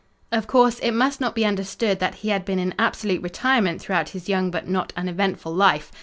Of course, it must not be understood that he had been in absolute retirement throughout his young but not uneventful life.